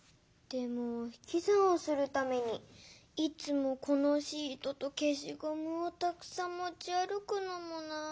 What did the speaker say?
でもひきざんをするためにいつもこのシートとけしごむをたくさんもちあるくのもなあ。